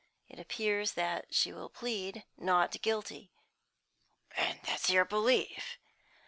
It appears that she will plead not guilty." "And what's your belief?"